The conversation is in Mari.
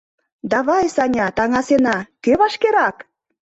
— Давай, Саня, таҥасена, кӧ вашкерак!